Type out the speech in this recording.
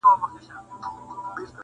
څوک چې ځان وپېژني، ښه تصمیم نیسي.